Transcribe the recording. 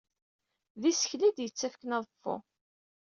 D isekla ay d-yettakfen aḍeffu.